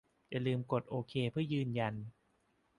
อย่าลืมกดโอเคเพื่อยืนยัน